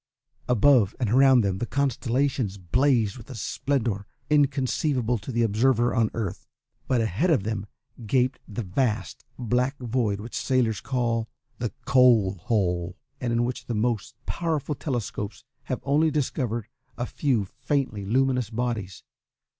Above and around them the constellations blazed with a splendour inconceivable to an observer on Earth, but ahead of them gaped the vast, black void which sailors call "the Coal Hole," and in which the most powerful telescopes have only discovered a few faintly luminous bodies.